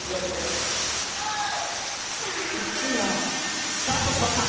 用意スタートしました！